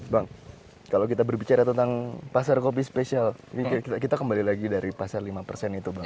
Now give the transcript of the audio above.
bang kalau kita berbicara tentang pasar kopi spesial kita kembali lagi dari pasar lima persen itu bang